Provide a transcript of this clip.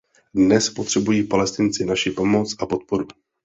Dnes potřebují Palestinci naši pomoc a podporu.